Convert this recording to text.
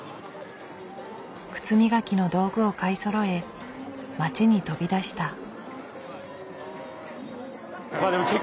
靴磨きの道具を買いそろえ街に飛び出した。